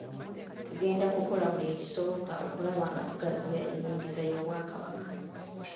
Tugenda kukola buli kisoboka okulaba nga tugaziya ennyingiza y'Obwakabaka.